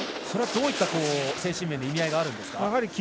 それは、どういった精神面で意味合いがあるんですか？